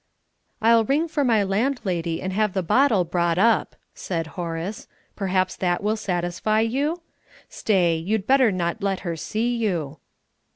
"I'll ring for my landlady and have the bottle brought up," said Horace. "Perhaps that will satisfy you? Stay, you'd better not let her see you."